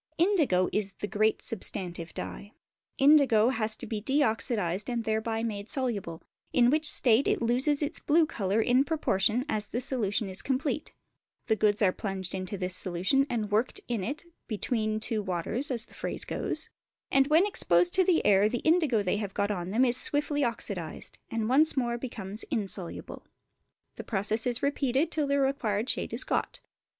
Indigo is the great substantive dye: the indigo has to be de oxidised and thereby made soluble, in which state it loses its blue colour in proportion as the solution is complete; the goods are plunged into this solution and worked in it "between two waters," as the phrase goes, and when exposed to the air the indigo they have got on them is swiftly oxidised, and once more becomes insoluble. This process is repeated till the required shade is got.